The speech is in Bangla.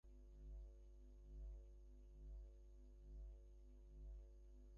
পৃথিবীতে প্রচলিত আনুষ্ঠানিক ধর্মের প্রতীকগুলির মধ্যে মানবজাতির ধর্মচিন্তার অভিব্যক্তি দেখিতে পাই।